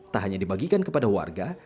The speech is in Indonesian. tak hanya dibagikan kepada warga